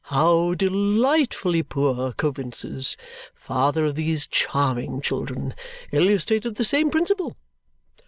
How delightfully poor Coavinses (father of these charming children) illustrated the same principle!